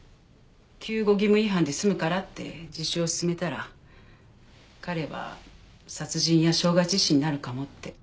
救護義務違反で済むからって自首をすすめたら彼は殺人や傷害致死になるかもって。